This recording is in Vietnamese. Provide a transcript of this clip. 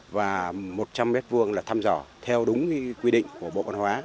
và một trăm linh m hai là thăm dò theo đúng quy định của bộ văn hóa